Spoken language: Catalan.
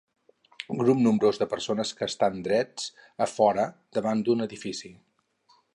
Grup nombrós de persones que estan drets a fora, davant d'un edifici.